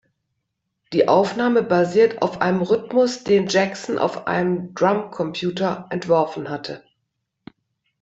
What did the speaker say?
Die Aufnahme basiert auf einem Rhythmus, den Jackson auf einem Drumcomputer entworfen hatte.